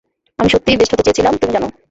আমি সত্যিই বেস্ট হতে চেয়েছিলাম, তুমি জানো।